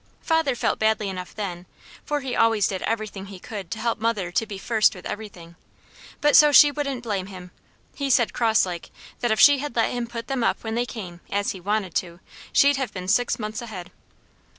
Father felt badly enough then, for he always did everything he could to help mother to be first with everything; but so she wouldn't blame him, he said crosslike that if she had let him put them up when they came, as he wanted to, she'd have been six months ahead.